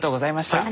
はい。